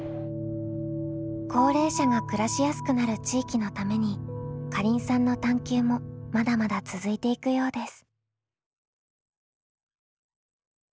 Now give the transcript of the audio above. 高齢者が暮らしやすくなる地域のためにかりんさんの探究もまだまだ続いていくようです。